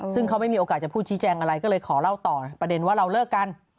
ซึ่งเขาไม่มีโอกาสจะพูดชี้แจงอะไรก็เลยขอเล่าต่อประเด็นว่าเราเลิกกัน